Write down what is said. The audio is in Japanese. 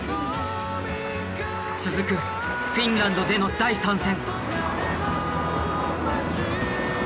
続くフィンランドでの第３戦。